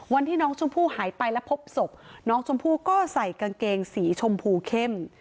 วันที่น้องชมพู่หายไปและพบศพน้องชมพู่ก็ใส่กางเกงสีชมพูเข้ม